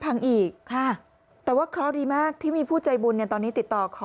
พังอีกค่ะแต่ว่าเคราะห์ดีมากที่มีผู้ใจบุญเนี่ยตอนนี้ติดต่อขอ